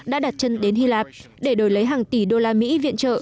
đã đặt chân đến hy lạp để đổi lấy hàng tỷ đô la mỹ viện trợ